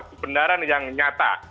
kebenaran yang nyata